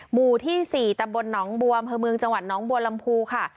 หมู่ที่๔ตำบลน้องบวมเผอร์เมืองจังหวัดน้องบวนลำพูค่ะ